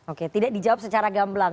oke tidak dijawab secara gamblang